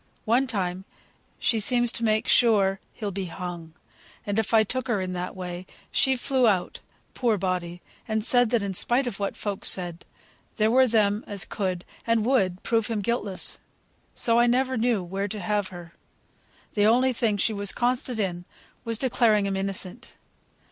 One time she seems to make sure he'll be hung; and if I took her in that way, she flew out (poor body!) and said, that in spite of what folk said, there were them as could, and would prove him guiltless. So I never knew where to have her. The only thing she was constant in, was declaring him innocent."